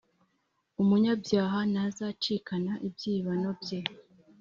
Umunyabyaha ntazacikana ibyibano bye,